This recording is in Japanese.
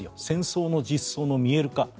戦争の実相の見える化。